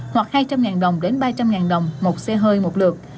hoặc hai trăm linh đồng đến ba trăm linh đồng một xe hơi một lượt